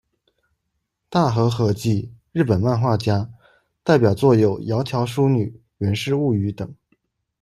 大和和纪，日本漫画家，代表作有《窈窕淑女》、《源氏物语》等。